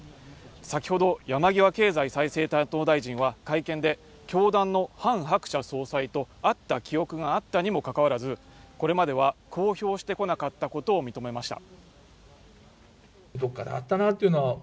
先ほど山際経済再生担当大臣は会見で教団のハン・ハクチャ総裁と会った記憶があったにもかかわらずこれまでは公表してこなかったことを認めました